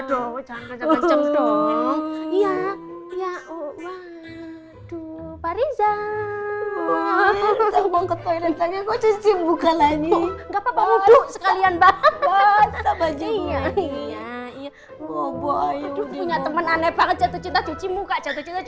udah dong jangan gajah gajah dong